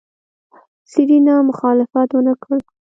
سېرېنا مخالفت ونکړ.